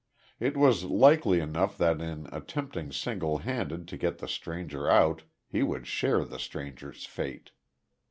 It was likely enough that in attempting single handed to get the stranger out he would share the stranger's fate.